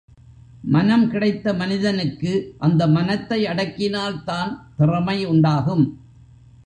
மனம் கிடைத்த மனிதனுக்கு அந்த மனத்தை அடக்கினால்தான் திறமை உண்டாகும்.